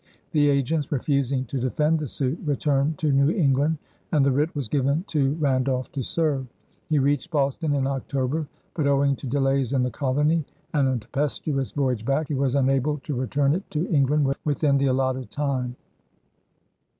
The agents, refusing to defend the suit, returned to New England, and the writ was given to Randolph to serve. He reached Boston in October, but owing to delays in the colony and a tempestuous voyage back, he was unable to return it to England within the allotted time.